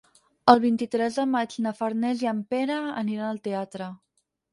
El vint-i-tres de maig na Farners i en Pere aniran al teatre.